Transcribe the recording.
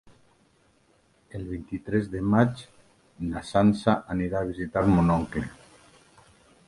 El vint-i-tres de maig na Sança anirà a visitar mon oncle.